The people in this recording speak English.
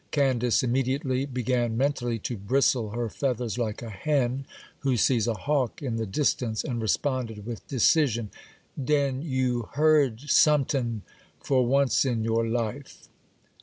Candace immediately began mentally to bristle her feathers like a hen who sees a hawk in the distance, and responded with decision:— 'Den you heard sometin', for once in your life!